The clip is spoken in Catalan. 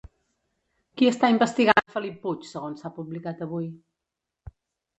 Qui està investigant a Felip Puig segons s'ha publicat avui?